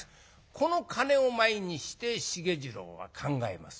この金を前にして繁二郎は考えます。